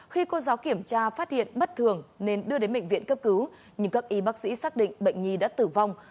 khi cô giáo kiểm tra phát hiện bất thường nên đưa đến bệnh viện cấp cứu nhưng các y bác sĩ xác định bệnh nhi đã tử vong